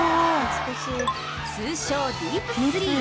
通称ディープスリー。